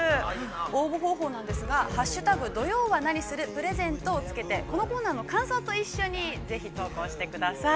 応募方法ですが、「＃土曜はナニするプレゼント」をつけてこのコーナーの感想を投稿してください。